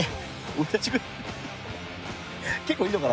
俺たちぐらい。